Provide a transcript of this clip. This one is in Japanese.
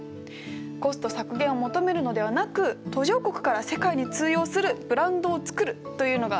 コスト削減を求めるのではなく途上国から世界に通用するブランドをつくるというのが理念だそうです。